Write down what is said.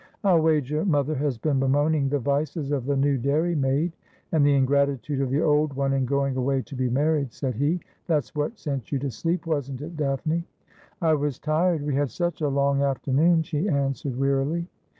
' I'll wager mother has been bemoaning the vices of the new dairymaid, and the ingratitude of the old one in going away to be married,' said he. ' That's what sent you to sleep, wasn't it. Daphne ?'' I was tired. We had such a long afternoon,' she answered wearily.